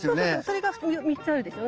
それが３つあるでしょ。